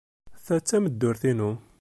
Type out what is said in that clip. Ta d tameddurt-inu.